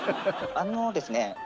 あのですね